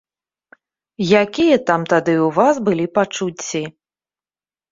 Якія там тады ў вас былі пачуцці?